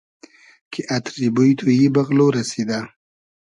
کی اتری بوی تو ای بئغلۉ رئسیدۂ